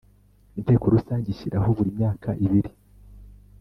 Inteko rusange ishyiraho buri myaka ibiri